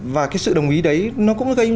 và cái sự đồng ý đấy nó cũng gây